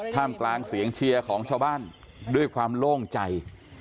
กลางเสียงเชียร์ของชาวบ้านด้วยความโล่งใจ